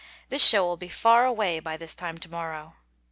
This show will be far away by this time to morrow."